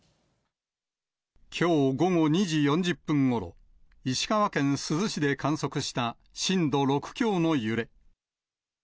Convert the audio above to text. きょう午後２時４０分ごろ、石川県珠洲市で観測した震度６強の揺れ。